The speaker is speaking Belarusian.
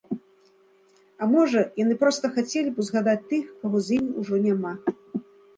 А можа, яны проста хацелі б узгадаць тых, каго з імі ўжо няма.